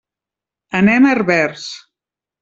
Anem a Herbers.